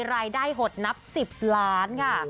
รายได้หดนับ๑๐ล้าน